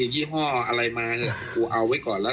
ยี่ห้ออะไรมาเถอะ